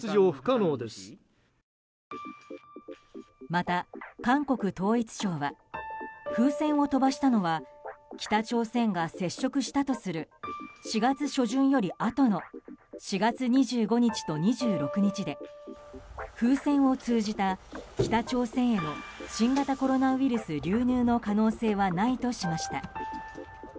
また韓国統一省は風船を飛ばしたのは北朝鮮が接触したとする４月初旬よりあとの４月２５日と２６日で風船を通じた北朝鮮への新型コロナウイルス流入の可能性はないとしました。